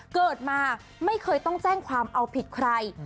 เกิดมาไม่เคยต้องแจ้งความเอาผิดใคร